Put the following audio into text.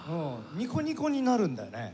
ニコニコになるんだよね。